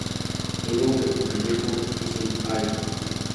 Todo en Vallejo es un ¡ay!